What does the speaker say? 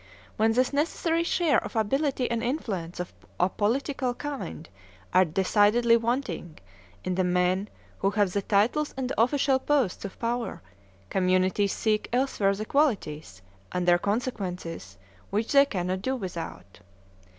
When this necessary share of ability and influence of a political kind are decidedly wanting in the men who have the titles and the official posts of power, communities seek elsewhere the qualities (and their consequences) which they cannot do without.